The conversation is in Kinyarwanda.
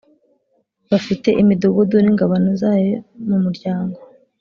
bafite imidugudu n ingabano zayo yo mu muryango